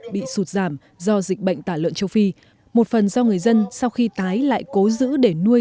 bị sụt giảm do dịch bệnh tả lợn châu phi một phần do người dân sau khi tái lại cố giữ để nuôi